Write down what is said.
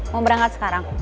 mau berangkat sekarang